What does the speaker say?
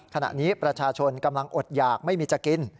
ขณะนี้ประชาชนกำลังอดหยากไม่มีจะกิน